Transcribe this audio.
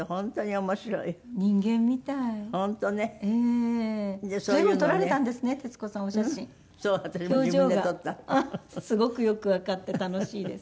表情がすごくよくわかって楽しいです。